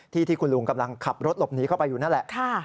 ที่ที่คุณลุงกำลังขับรถหลบหนีเข้าไปอยู่นั่นแหละ